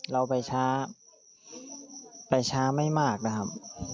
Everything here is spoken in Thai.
เราไปช้าไปช้าไม่มากนะครับ